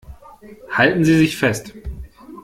Halten Sie sich fest!